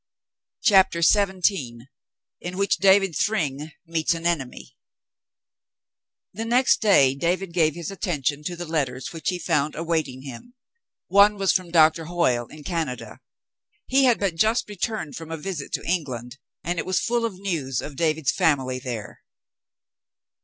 CHAPTER XVII r IN WHICH DAVID THRYNG MEETS AN ENEMY The next day David gave his attention to the letters which he found awaiting him. One was from Doctor Hoyle in Canada. He had but just returned from a visit to England, and it was full of news of David's family there.